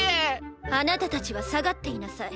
あなたたちは下がっていなさい。